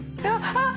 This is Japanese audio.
あっ！